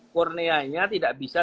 korneanya tidak bisa